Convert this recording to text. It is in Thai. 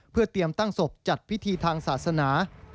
เพื่อเตรียมตั้งศพจัดพิธีทางศาสนา